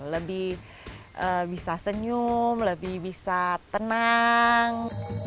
lebih bisa senyum lebih bisa tenang